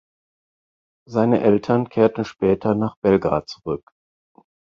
Seine Eltern kehrten später nach Belgrad zurück.